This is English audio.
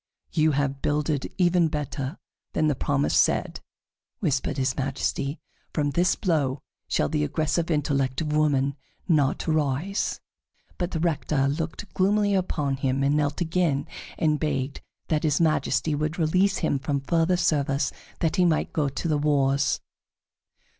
"You have builded even better than the promise said," whispered his Majesty. "From this blow shall the aggressive intellect of woman not arise." But the Rector looked gloomily upon him and knelt again, and begged that his Majesty would release him from further service that he might go to the wars.